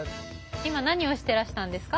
今何をしてらしたんですか？